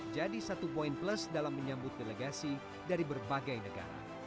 jadi satu poin plus dalam menyambut delegasi dari berbagai negara